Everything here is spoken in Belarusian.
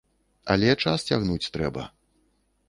Але час цягнуць трэба.